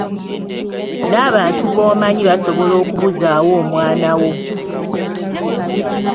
N'abantu b'omanyi basobola okubuzaawo omwana wo